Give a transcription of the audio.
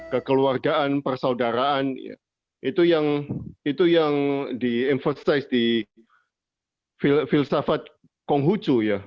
kekeluargaan persaudaraan itu yang di emforce di filsafat konghucu ya